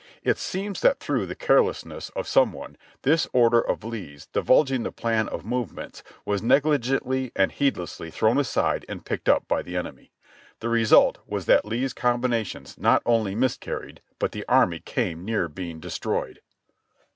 It seems that through the carelessness of some one, this order of Lee's divulging the plan of movements was negligently and heed lessly thrown aside and picked up by the enemy. The result was that Lee's combinations not only miscarried but the army came near being destroyed.